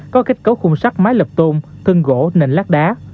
có kết cấu khung sắc mái lập tôm thân gỗ nền lát đá